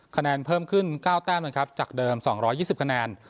คะแนนเพิ่มขึ้นเก้าแต้มนะครับจากเดิมสองร้อยยี่สิบคะแนน